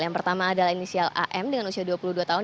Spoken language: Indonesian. yang pertama adalah inisial am dengan usia dua puluh dua tahun